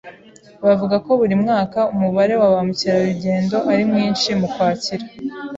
Bavuga ko buri mwaka umubare wa ba mukerarugendo ari mwinshi mu Kwakira.